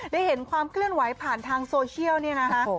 ได้เห็นความเคลื่อนไหวผ่านทางโซเชียลเนี่ยนะคะ